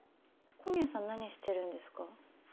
小宮さん何してるんですか？